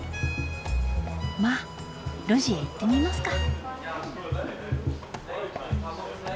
まっ路地へ行ってみますか。